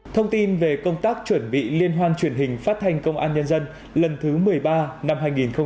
thông tin về công tác chuẩn bị liên hoan truyền hình phát thanh công an nhân dân lần thứ một mươi ba năm hai nghìn hai mươi